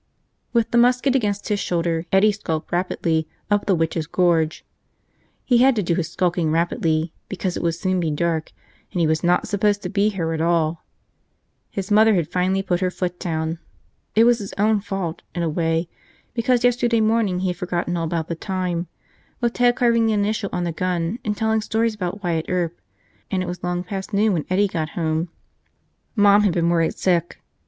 With the musket against his shoulder, Eddie skulked rapidly up the Witches' Gorge. He had to do his skulking rapidly because it would soon be dark and he was not supposed to be here at all. His mother had finally put her foot down. It was his own fault, in a way, because yesterday morning he had forgotten all about the time, with Ted carving the initial on the gun and telling stories about Wyatt Earp, and it was long past noon when Eddie got home. Mom had been worried sick.